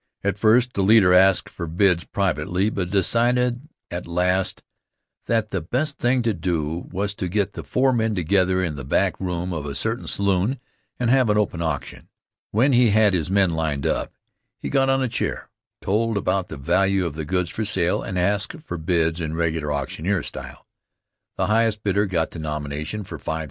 At first the leader asked for bids privately, but decided at last that the best thing to do was to get the four men together in the back room of a certain saloon and have an open auction. When he had his men lined up, he got on a chair, told about the value of the goods for sale, and asked for bids in regular auctioneer style. The highest bidder got the nomination for $5000.